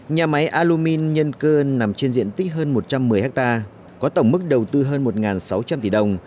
nhà máy alumin nhân cơ nằm trên diện tích hơn một trăm một mươi hectare có tổng mức đầu tư hơn một sáu trăm linh tỷ đồng